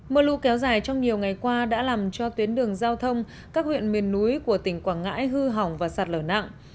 mưa lũ kéo dài trong nhiều ngày qua đã làm cho tuyến đường giao thông các huyện miền núi của tỉnh quảng ngãi hư hỏng và sạt lở nặng